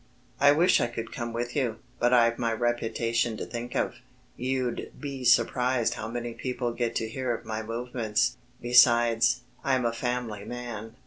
I wish I could come with you. But I've my reputation to think of. You'd be surprised how people get to hear of my movements. Besides, I'm a family man."